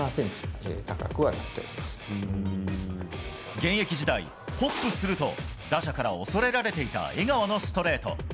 現役時代、ホップすると打者から恐れられていた江川のストレート。